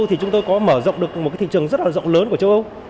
thì chúng tôi có mở rộng được một thị trường rất rộng lớn của châu âu